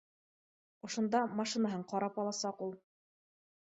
Ошонда машинаһын ҡарап аласаҡ ул